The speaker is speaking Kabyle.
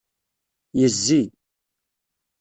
Yezzi.